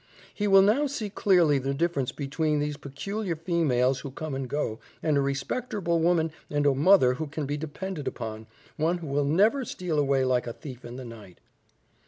He will now see clearly the difference between these peculiar females who come and go, and a respecterble woman and a mother who can be depended upon one who will never steal away like a thief in the night."